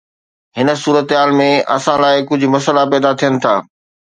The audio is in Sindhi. هن صورتحال ۾، اسان لاء، ڪجهه مسئلا پيدا ٿين ٿا